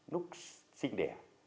lúc sinh đẻ